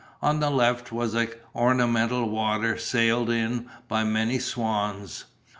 On the left was an ornamental water sailed in by many swans.